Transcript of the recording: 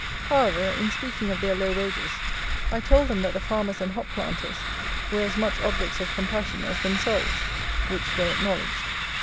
However, in speaking of their low wages, I told them that the farmers and hop planters were as much objects of compassion as themselves, which they acknowledged.